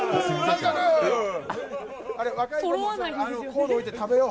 若い子も、コード置いて食べよう。